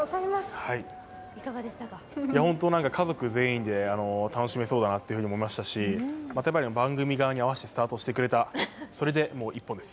家族全員で楽しめそうだなと思いましたし番組側に合わせてスタートしてくれた、それで一本です。